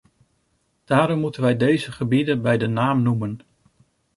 Daarom moeten wij deze gebieden bij de naam noemen.